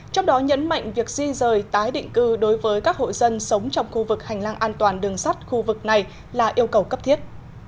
trong đó nhấn mạnh việc di rời tái định cư đối với các hộ dân sống trong khu vực hành lang an toàn đường sắt khu vực này là yêu cầu cấp thiết